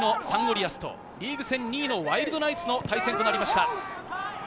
リアスとリーグ戦２位のワイルドナイツの対戦となりました。